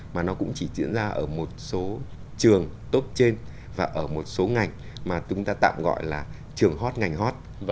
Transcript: mà nó cũng chỉ diễn ra ở một số trường top trên và ở một số ngành mà chúng ta tạm gọi là trường hot ngành hot